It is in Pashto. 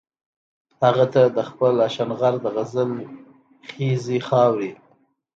هغه ته د خپل اشنغر د غزل خيزې خاورې